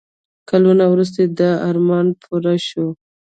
کلونه وروسته دا ارمان پوره شو.